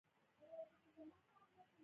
افلاطون يو يوناني عالم و.